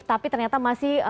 tapi ternyata masih